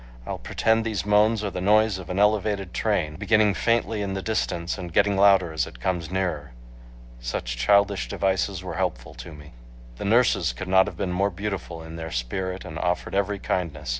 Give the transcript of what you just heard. I'll pretend these moans are the noise of an elevated train, beginning faintly in the distance and getting louder as it comes nearer." Such childish devices were helpful to me. The nurses could not have been more beautiful in their spirit and offered every kindness.